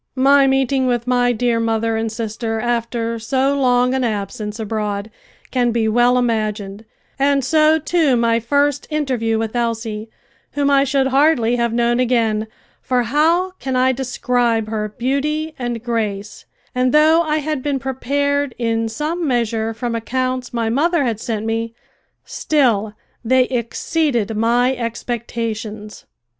My meeting with my dear mother and sister after so long an absence abroad can be well imagined, and so too my first interview with Elsie, whom I should hardly have known again, for how can I describe her beauty and grace, and though I had been prepared in some measure from accounts my mother had sent me, still they exceeded my expectations.